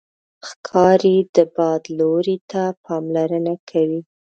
ښکاري د باد لوري ته پاملرنه کوي.